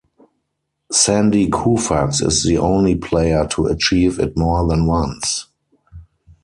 Sandy Koufax is the only player to achieve it more than once.